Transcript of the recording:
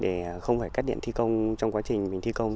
để không phải cắt điện thi công trong quá trình mình thi công